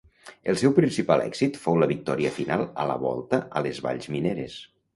El seu principal èxit fou la victòria final a la Volta a les Valls Mineres.